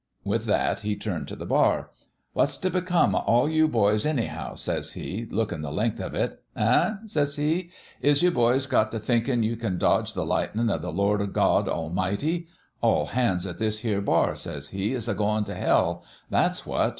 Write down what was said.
With that he turned t' the bar. ' What's t' become o' all you^boys, anyhow?' says he, lookin' the length of it. 'Eh?' says he. 'Is you boys got t' thinkin' you can dodge the lightnin' o' the Lord God A'mighty? All hands at this here bar,' says he, ' is a goin' t' hell. That's what